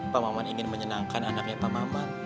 pak maman ingin menyenangkan anaknya pak maman